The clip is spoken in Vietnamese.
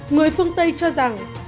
người phương tây cho rằng